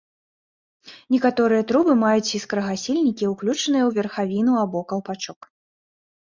Некаторыя трубы маюць іскрагасільнікі, ўключаныя ў верхавіну або каўпачок.